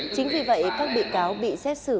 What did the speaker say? chính vì vậy các bị cáo bị xét xử